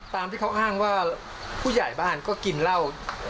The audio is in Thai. ตามที่เขาอ้างว่าผู้ใหญ่บ้านก็กินเหล้า